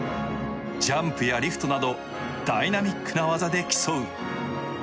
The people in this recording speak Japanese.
ジャンプやリフトなどダイナミックな技で競う。